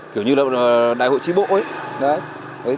kiểu như là đại hội trí bộ ấy